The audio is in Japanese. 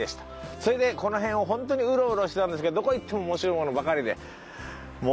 それでこの辺をホントにウロウロしてたんですけどどこ行っても面白いものばかりでもう感動。